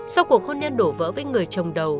sau cuộc hôn nhân đổ vỡ với người trồng đầu